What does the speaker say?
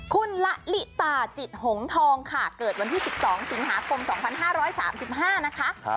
คุณละลิตาจิตหงทองค่ะเกิดวันที่๑๒สิงหาคม๒๕๓๕นะคะ